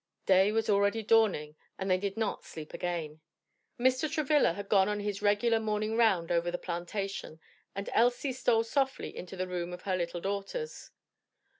Day was already dawning and they did not sleep again. Mr. Travilla had gone on his regular morning round over the plantation, and Elsie stole softly into the room of her little daughters.